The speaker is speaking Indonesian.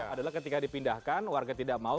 adalah ketika dipindahkan warga tidak mau